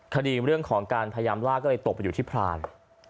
เรื่องของการพยายามล่าก็เลยตกไปอยู่ที่พราน